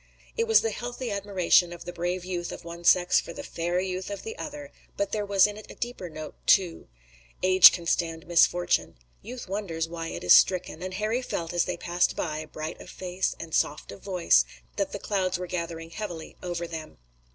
It was the healthy admiration of the brave youth of one sex for the fair youth of the other, but there was in it a deeper note, too. Age can stand misfortune. Youth wonders why it is stricken, and Harry felt as they passed by, bright of face and soft of voice, that the clouds were gathering heavily over them.